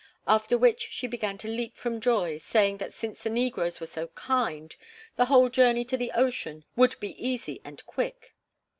After which she began to leap from joy, saying that since the negroes were so kind, the whole journey to the ocean would be easy and quick.